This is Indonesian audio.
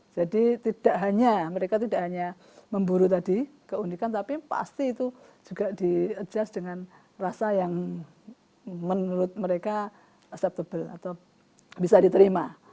jadi tidak hanya mereka tidak hanya memburu tadi keunikan tapi pasti itu juga diadjust dengan rasa yang menurut mereka acceptable atau bisa diterima